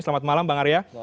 selamat malam bang arya